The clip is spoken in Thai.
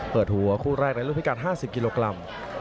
เปิดหัวคู่แรกในรูปพิการ๕๐กิโลกรัม